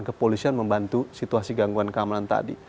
kepolisian membantu situasi gangguan keamanan tadi